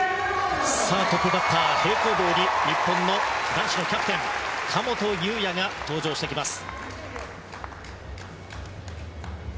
トップバッター、平行棒に日本男子のキャプテン神本雄也が登場してきます。